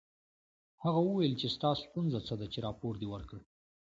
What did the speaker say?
هغه وویل چې ستا ستونزه څه ده چې راپور دې ورکړ